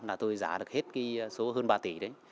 là tôi giả được hết cái số hơn ba tỷ đấy